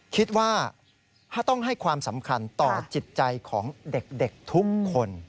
คิดว่าถ้าต้องให้ความสำคัญต่อจิตใจของเด็กทุกคน